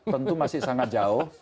tentu masih sangat jauh